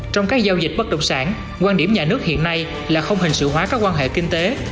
trong các giao dịch bất động sản quan điểm nhà nước hiện nay là không hình sự hóa các quan hệ kinh tế